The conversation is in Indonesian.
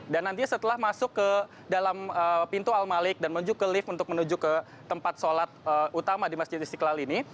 dan nantinya setelah masuk ke dalam pintu al malik dan menuju ke lift untuk menuju ke tempat sholat utama di masjid istiqlal ini